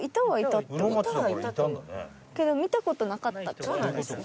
けど見た事なかったって事ですね。